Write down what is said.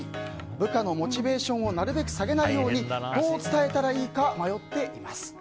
部下のモチベーションをなるべく下げないようにどう伝えたらいいか迷っています。